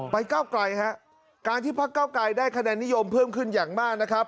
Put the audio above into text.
ก้าวไกลฮะการที่พักเก้าไกลได้คะแนนนิยมเพิ่มขึ้นอย่างมากนะครับ